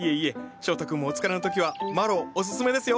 翔太くんもお疲れの時はマロウおすすめですよ。